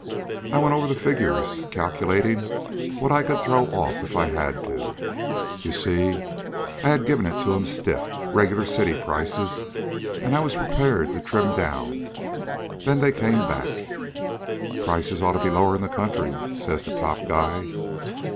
I went over the figures, calculatin' what I could throw off if I had to. You see, I'd given it to 'em stiff regular city prices; an' I was prepared to trim down. Then they come back. "'Prices oughta be lower in the country,' says the top guy.